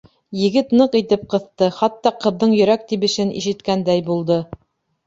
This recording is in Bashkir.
Егет ныҡ итеп ҡыҫты, хатта ҡыҙҙың йөрәк тибешен ишеткәндәй булды.